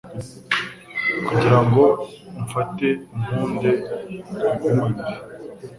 kugira ngo umfate unkunde twigumanire